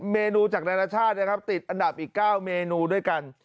เมนูจากนานาชาตินะครับติดอันดับอีก๙เมนูด้วยกัน